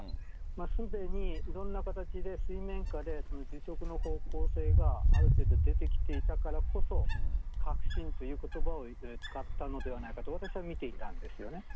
すでにいろんな形で、水面下で辞職の方向性がある程度出てきていたからこそ、確信ということばを使ったのではないかと、私は見ていたんですよね。